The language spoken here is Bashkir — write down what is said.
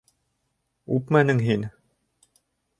Үпмәнең һин.